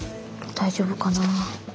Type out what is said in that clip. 大丈夫かな？